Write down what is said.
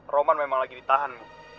roman memang lagi ditahan